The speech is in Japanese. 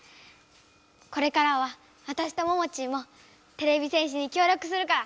これからはわたしとモモチーもてれび戦士にきょう力するから！